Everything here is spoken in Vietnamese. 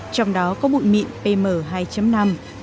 trong đó có bụi mịn pm hai năm